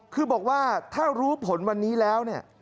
คือบอกว่าถ้ารู้ผลวันนี้แล้วเนี่ย